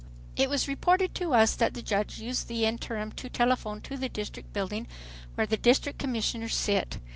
It was reported to us that the judge used the interim to telephone to the District building, where the District Commissioners sit.